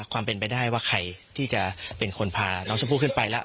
ความเป็นไปได้ว่าใครที่จะเป็นคนพาน้องชมพู่ขึ้นไปแล้ว